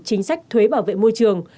chính sách thuế bảo vệ môi trường